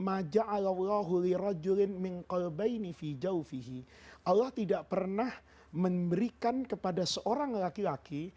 allah tidak pernah memberikan kepada seorang laki laki